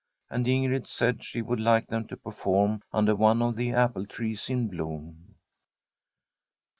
And Ingrid said she would like them to perform under one of the apple trees in bloom.